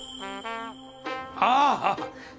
ああ！